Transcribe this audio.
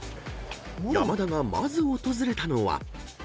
［山田がまず訪れたのは］